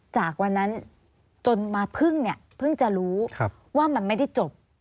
จากวันนั้นจนมาพึ่งเนี่ยเพิ่งจะรู้ว่ามันไม่ได้จบ